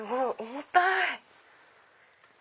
重たい！